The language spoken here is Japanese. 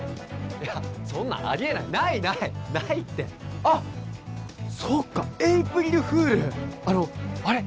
いやそんなありえないないないないってあそっかエープリルフールあれ